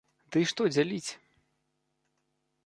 Ды і што дзяліць?